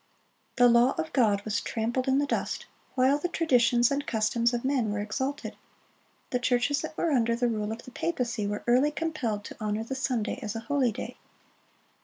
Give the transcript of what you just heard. The law of God was trampled in the dust, while the traditions and customs of men were exalted. The churches that were under the rule of the papacy were early compelled to honor the Sunday as a holy day.